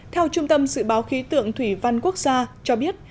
theo trung tâm dự báo khí tượng thủy văn quốc gia cho biết